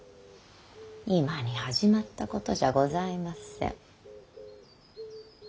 今に始まったことじゃございません。